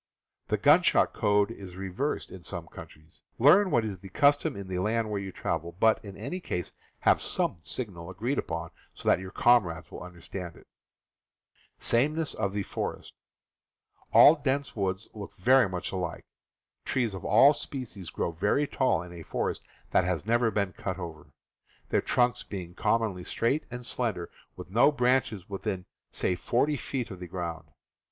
This gunshot code is reversed in some countries. Learn what is the custom in the land where you travel; but, in any case, have some signal agreed upon so that your comrades will understand it. All dense woods look much alike. Trees of all species grow very tall in a forest that has never been cut over, their trunks being commonly ,^ straight and slender, with no branches within, say, forty feet of the ground.